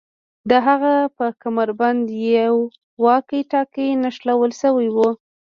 د هغه په کمربند یو واکي ټاکي نښلول شوی و